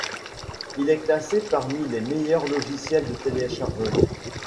Il est classé parmi les meilleurs logiciels de téléchargement.